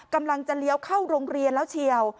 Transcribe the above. กำลังจะเลี้ยวเข้าโรงเรียนแล้วเฉียว